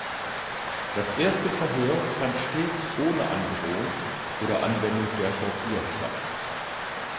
Das erste Verhör fand stets ohne Androhung oder Anwendung der Tortur statt.